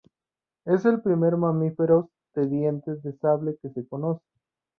Es el primer mamíferos de dientes de sable que se conoce.